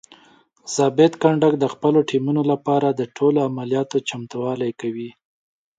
ضابط کنډک د خپلو ټیمونو لپاره د ټولو عملیاتو چمتووالی کوي.